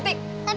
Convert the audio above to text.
tapi kenapa bu